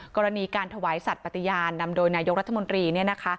กรณีการถวายสัตว์ปฏิญาณนำโดยนายกรัฐมนตรีเนี่ยนะคะ